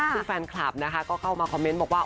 ซึ่งแฟนคลับนะคะก็เข้ามาคอมเมนต์บอกว่า